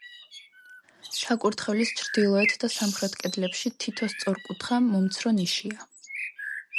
საკურთხევლის ჩრდილოეთ და სამხრეთ კედლებში თითო სწორკუთხა, მომცრო ნიშია.